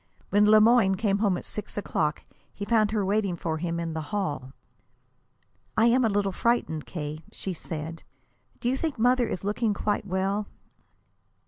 When Le Moyne came home at six o'clock, he found her waiting for him in the hall. "I am just a little frightened, K.," she said. "Do you think mother is looking quite well?"